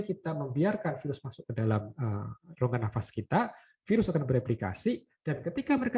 kita membiarkan virus masuk ke dalam rongga nafas kita virus akan bereplikasi dan ketika mereka